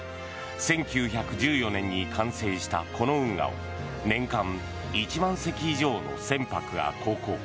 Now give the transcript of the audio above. １９１４年に完成したこの運河を年間１万隻以上の船舶が航行。